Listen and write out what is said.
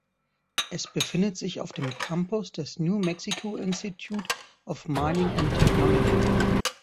Es befindet sich auf dem Campus des New Mexico Institute of Mining and Technology.